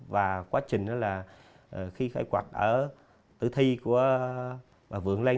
và quá trình đó là khi khởi quạt ở tử thi của bà vượng lên